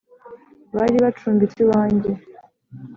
Bari bacumbitse iwanjye .